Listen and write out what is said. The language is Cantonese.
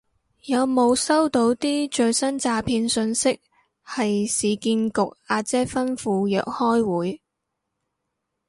有冇收到啲最新詐騙訊息係市建局阿姐吩咐約開會